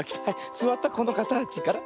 すわったこのかたちから。